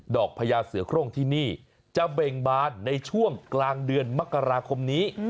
พญาเสือโครงที่นี่จะเบ่งบานในช่วงกลางเดือนมกราคมนี้